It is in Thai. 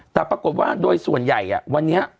แต่ปรากฏว่าโดยส่วนใหญ่วันนี้